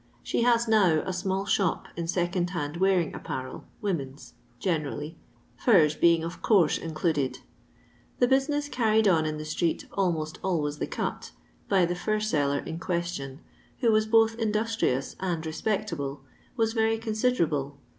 She has now a smnll ' ihop in second hand wearing apparel (women's) I lenendly, furs being of course included. The I busineis carried on in the street (almost always '*• the Cut ") by the* fur seller in question, who was i both industrious and respectable, was very con I liderable.